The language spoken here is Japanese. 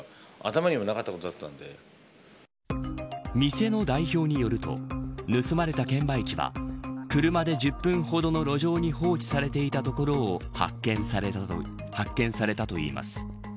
店の代表によると盗まれた券売機は車で１０分ほどの路上に放置されていたところを発見されたといいます。